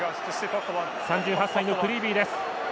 ３８歳のクリービー。